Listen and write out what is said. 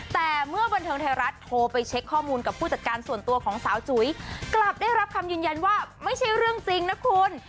แต่เมื่อบันเทิงไทยรัฐโทรไปเช็คข้อมูลกับผู้จัดการส่วนตัวของสาวจุ๋ยกลับได้รับคำยืนยันว่าไม่ใช่เรื่องจริงนะคุณ